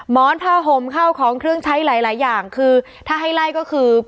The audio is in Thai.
้อนผ้าห่มเข้าของเครื่องใช้หลายหลายอย่างคือถ้าให้ไล่ก็คือ